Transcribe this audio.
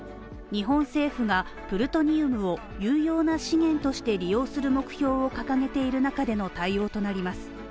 日本政府がプルトニウムを有用な資源として利用する目標を掲げている中での対応となります